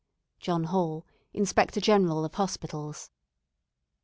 "John Hall, "Inspector General of Hospitals."